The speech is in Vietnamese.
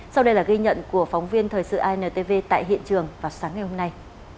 sau đây là ghi nhận của phóng viên thời sự intv tại hiện trường vào sáng ngày hôm nay